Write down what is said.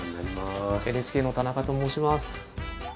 ＮＨＫの田中と申します。